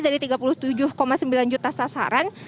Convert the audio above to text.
dari tiga puluh tujuh sembilan juta sasaran